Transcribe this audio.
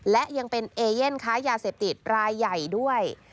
และยังเป็นเอเย่นค้ายาเสพติดรายใหญ่ด้วย